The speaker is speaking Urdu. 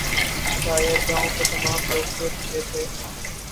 شاید گاؤں کے تمام لوگ سو چکے تھے